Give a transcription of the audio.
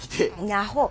アホ！